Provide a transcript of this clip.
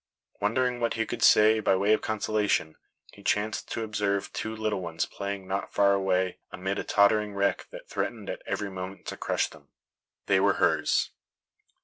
Wondering what he could say by way of consolation, he chanced to observe two little ones playing not far away amid a tottering wreck that threatened at every moment to crush them. They were hers.